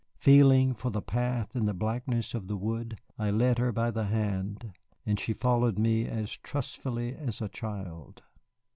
Feeling for the path in the blackness of the wood, I led her by the hand, and she followed me as trustfully as a child.